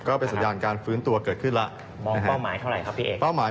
ก็เป็นสัญญาการฟื้นตัวเกิดขึ้นแล้ว